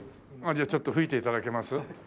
じゃあちょっと吹いて頂けます？